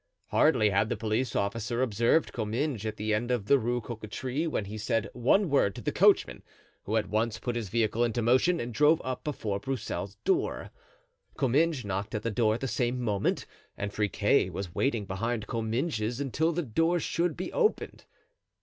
Hardly had the police officer observed Comminges at the end of the Rue Cocatrix when he said one word to the coachman, who at once put his vehicle into motion and drove up before Broussel's door. Comminges knocked at the door at the same moment, and Friquet was waiting behind Comminges until the door should be opened.